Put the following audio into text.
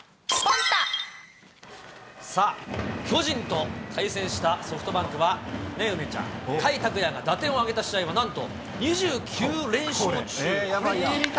さあ、巨人と対戦したソフトバンクは、梅ちゃん、甲斐拓也が打点を挙げた試合がなんと２９連勝で。